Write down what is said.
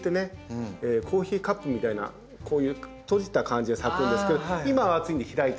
コーヒーカップみたいなこういう閉じた感じで咲くんですけど今は暑いんで開いて。